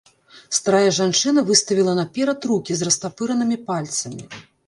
Старая жанчына выставіла наперад рукі з растапыранымі пальцамі.